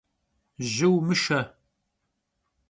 Jı vumışşe!